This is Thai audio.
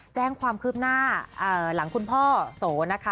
แจ้งความคืบหน้าหลังคุณพ่อโสนะคะ